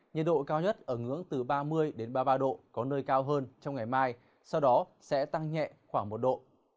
nhiệt độ cao nhất ở ngưỡng từ ba mươi ba mươi ba độ có nơi cao hơn trong ngày mai sau đó sẽ tăng nhẹ khoảng một độ